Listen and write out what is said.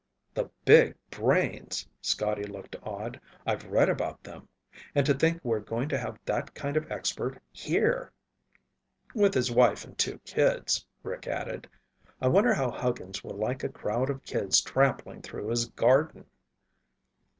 "The big brains!" Scotty looked awed. "I've read about them. And to think we're going to have that kind of expert here!" "With his wife and two kids," Rick added. "I wonder how Huggins will like a crowd of kids trampling through his garden!"